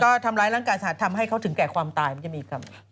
ก็ทำร้ายรังกายสาธารณ์ทำให้เขาถึงแกะความตายมันจะมีกัน